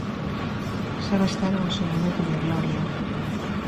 Xa gastaron o seu minuto de gloria.